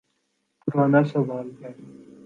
پرانا سوال ہے۔